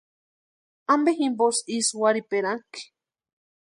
¿Ampe jimposï ísï warhiperanhakʼi?